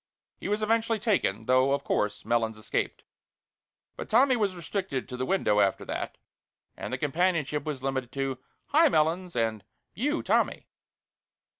He was eventually taken, though, of course, Melons escaped. But Tommy was restricted to the window after that, and the companionship was limited to "Hi, Melons!" and "You, Tommy!"